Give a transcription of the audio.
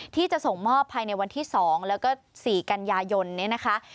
ที่จะส่งมอบภายในวันที่๒แล้วก็๔กันยายนเนี่ยนะคะ